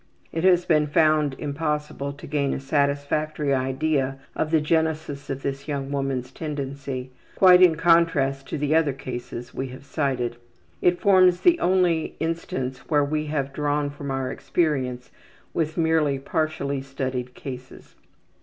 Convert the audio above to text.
It has been found impossible to gain a satisfactory idea of the genesis of this young woman's tendency, quite in contrast to the other cases we have cited. It forms the only instance where we have drawn from our experience with merely partially studied cases.